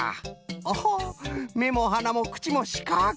おほめもはなもくちもしかく。